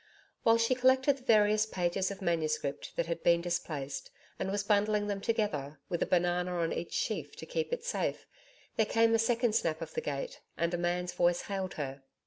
While she collected the various pages of manuscript that had been displaced and was bundling them together, with a banana on each sheaf to keep it safe, there came a second snap of the gate and a man's voice hailed her.